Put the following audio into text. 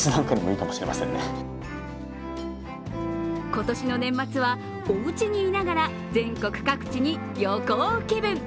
今年の年末は、おうちにいながら全国各地に旅行気分。